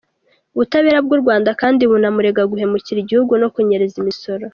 Ubutabera bw’u Rwanda kandi bunamurega guhemukira igihugu no kunyereza imisoro